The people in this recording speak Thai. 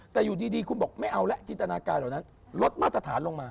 แต่อยู่ดีคุณบอกไม่เอาแล้วจินตนาการเหล่านั้นลดมาตรฐานลงมา